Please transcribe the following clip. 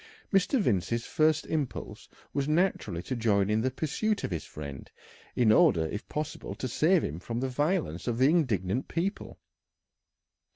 Mr. Vincey's first impulse was naturally to join in the pursuit of his friend, in order if possible to save him from the violence of the indignant people.